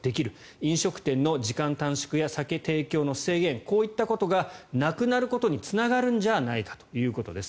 飲食店の時間短縮や酒提供の制限がなくなることにつながるんじゃないかということです。